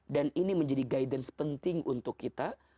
dan ini menjadi guidance penting untuk kita